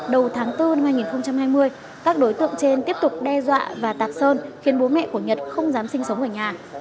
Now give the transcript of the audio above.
đầu tháng bốn năm hai nghìn hai mươi các đối tượng trên tiếp tục đe dọa và tạc sơn khiến bố mẹ của nhật không dám sinh sống ở nhà